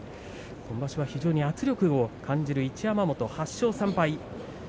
今場所は非常に圧力を感じる一山本、８勝３敗です。